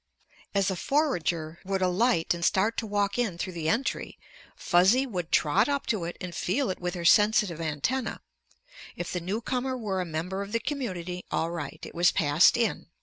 As a forager would alight and start to walk in through the entry, Fuzzy would trot up to it and feel it with her sensitive antennæ. If the newcomer were a member of the community, all right; it was passed in.